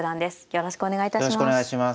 よろしくお願いします。